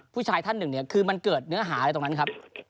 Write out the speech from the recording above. ผู้ชายท่านหนึ่งเนี่ยคือมันเกิดเนื้อหาอะไรตรงนั้นครับ